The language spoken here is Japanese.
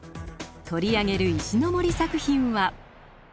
取り上げる石森作品は？